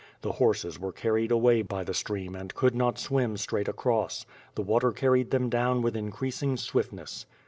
The horses were carried away by the stream and could not swim straight across. The water car ried them down with increasing swiftness.